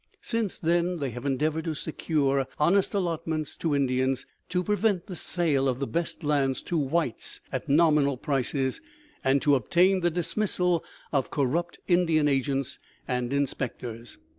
Since then they have endeavored to secure honest allotments to Indians, to prevent the sale of the best lands to whites at nominal prices, and to obtain the dismissal of corrupt Indian agents and inspectors.